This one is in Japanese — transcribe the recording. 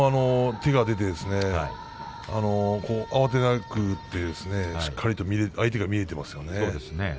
手が出て慌てずにしっかりと相手が見えていましたね。